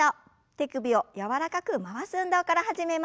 手首を柔らかく回す運動から始めます。